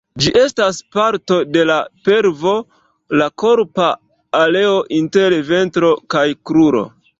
Ĝi estas parto de la pelvo, la korpa areo inter ventro kaj kruroj.